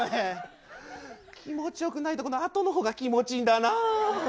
気持ち良くないところの後の方が気持ちいいんだな。